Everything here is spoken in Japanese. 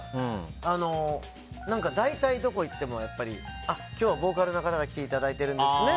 大体どこ行っても今日はボーカルの方が来ていただいてるんですね